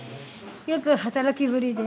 よく働きぶりで。